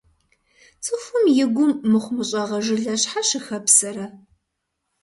Цӏыхум и гум мыхъумыщӏагъэ жылэ щхьэ щыхэпсэрэ?